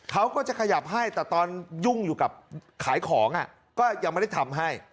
เขาก็จะขยับให้แต่ตอนยุ่งอยู่กับขายของก็ยังไม่ได้ทำให้